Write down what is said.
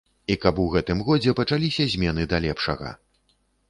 І каб у гэтым годзе пачаліся змены да лепшага.